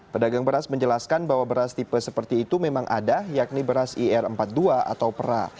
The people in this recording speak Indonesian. pedagang beras menjelaskan bahwa beras tipe seperti itu memang ada yakni beras ir empat puluh dua atau pera